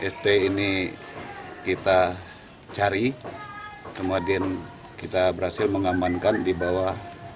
st ini kita cari kemudian kita berhasil mengamankan di bawah